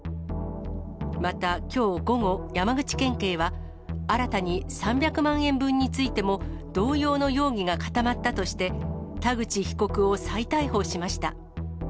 またきょう午後、山口県警は、新たに３００万円分についても、同様の容疑が固まったとして、田口被告を再逮捕しました。